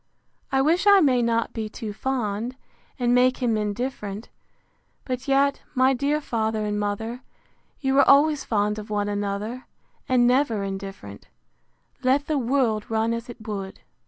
—I wish I may not be too fond, and make him indifferent: But yet, my dear father and mother, you were always fond of one another, and never indifferent, let the world run as it would.